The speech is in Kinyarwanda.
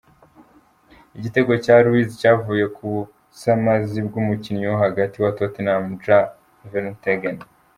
Igitego ca Luiz cavuye ku busamazi bw'umukinyi wo hagati wa Tottenham Jan Vertonghen.